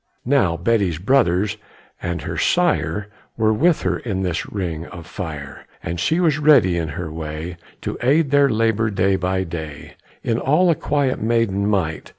Now Betty's brothers and her sire Were with her in this ring of fire, And she was ready, in her way, To aid their labor day by day, In all a quiet maiden might.